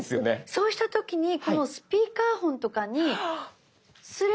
そうした時にこのスピーカーフォンとかにすれば。